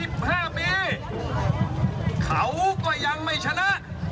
ว่า๑๕ปีเขาก็ยังไม่ชนะ